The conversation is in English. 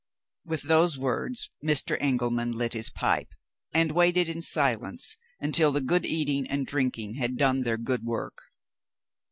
With those words Mr. Engelman lit his pipe, and waited in silence until the good eating and drinking had done their good work.